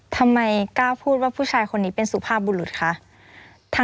ทำไมกล้าพูดว่าผู้ชายคนนี้เป็นสุภาพบุรุษคะ